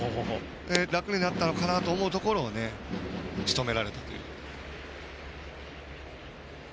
楽になったのかなと思うところをしとめられたという。